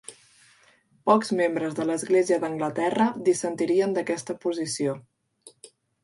Pocs membres de l'església d'Anglaterra dissentirien d'aquesta posició.